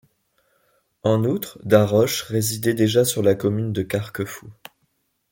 En outre Da Roch' résidait déjà sur la commune de Carquefou.